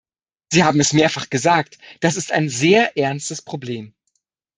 Sie haben es mehrfach gesagt, das ist ein sehr ernstes Problem.